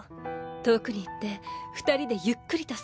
遠くに行って２人でゆっくりと過ごすの。